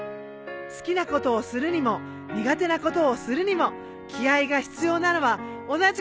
好きなことをするにも苦手なことをするにも気合が必要なのは同じかも。